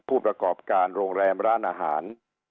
ผู้ประกอบการโรงแรมร้านอาหาร